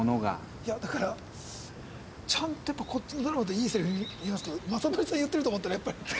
いやだからちゃんとやっぱりこっちのドラマだといい台詞に見えますけど雅紀さん言ってると思ったらやっぱり。